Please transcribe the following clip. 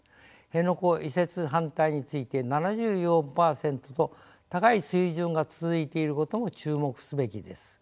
辺野古移設反対について７４％と高い水準が続いていることも注目すべきです。